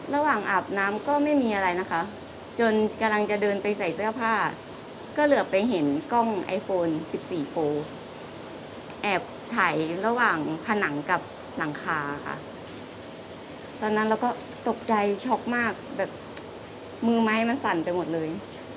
อาบน้ำก็ไม่มีอะไรนะคะจนกำลังจะเดินไปใส่เสื้อผ้าก็เหลือไปเห็นกล้องไอโฟน๑๔โฟแอบถ่ายระหว่างผนังกับหลังคาค่ะตอนนั้นเราก็ตกใจช็อกมากแบบมือไม้มันสั่นไปหมดเลย